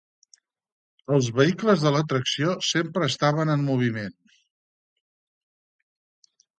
Els vehicles de l'atracció sempre estaven en moviment.